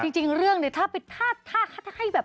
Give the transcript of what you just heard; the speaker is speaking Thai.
จริงถ้าให้แบบ